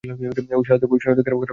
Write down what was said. ওই শালাদের ঘেরাও করার সময় এসেছে।